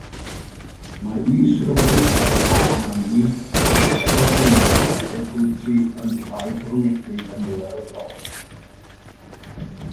Mae isrywogaethau "bachmani", "macrorhinus" a "virgulti" yn llai cyfyngedig yn ddaearyddol.